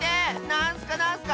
なんスかなんスか！